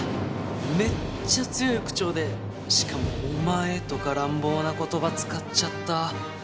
めっちゃ強い口調でしかも「お前」とか乱暴な言葉使っちゃった。